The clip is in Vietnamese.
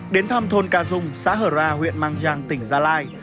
đến thăm thôn ca dung xã hở ra huyện mang giang tỉnh gia lai